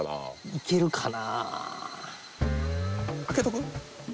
いけるかな？